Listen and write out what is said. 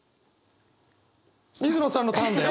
水野さんのターンだよ。